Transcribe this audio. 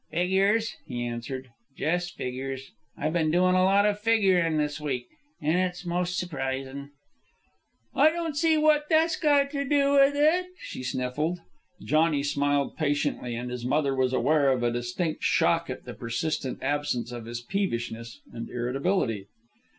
"Figures," he answered. "Jes' figures. I've ben doin' a lot of figurin' this week, an' it's most surprisin'." "I don't see what that's got to do with it," she sniffled. Johnny smiled patiently, and his mother was aware of a distinct shock at the persistent absence of his peevishness and irritability.